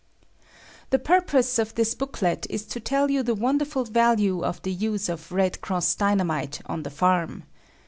The purpose of this booklet is to tell you the wonderful value of the use of "Red Cross" Dynamite on the farm.